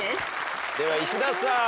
では石田さん。